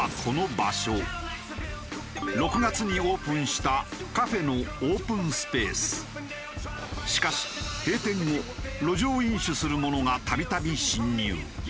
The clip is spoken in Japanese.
６月にオープンしたしかし閉店後路上飲酒する者が度々侵入。